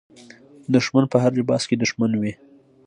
دښمن په هر لباس کې دښمن وي.